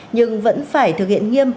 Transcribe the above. nhưng vẫn phải thực hiện nghiêm